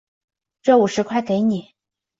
这五十块给你